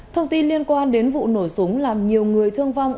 thông tin liên quan đến vụ nổ súng làm nhiều người thương vong